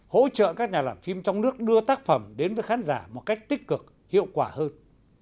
hỗ trợ các nhà làm phim trong nước đưa tác phẩm đến với khán giả một cách tích cực hiệu quả hơn